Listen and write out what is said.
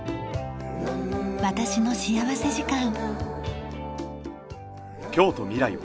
『私の幸福時間』。